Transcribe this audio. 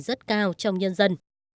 rất cao trong nhân dân